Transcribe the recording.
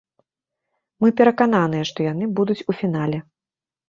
Мы перакананыя, што яны будуць у фінале.